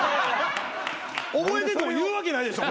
覚えてても言うわけないでしょ